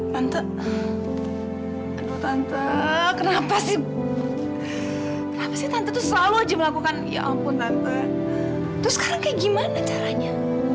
tante kenapa sih kenapa sih tante tuh selalu aja melakukan ya ampun apa terus sekarang kayak gimana caranya